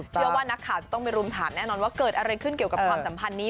เชื่อว่านักข่าวจะต้องไปรุมถามแน่นอนว่าเกิดอะไรขึ้นเกี่ยวกับความสัมพันธ์นี้